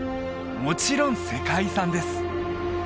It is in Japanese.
もちろん世界遺産です